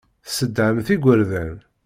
Tessedhamt igerdan.